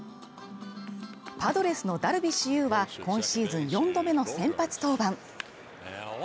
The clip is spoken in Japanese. パドレスのダルビッシュ有は今シーズン４度目の先発登板。